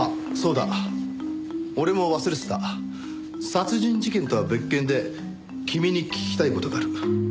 殺人事件とは別件で君に聞きたい事がある。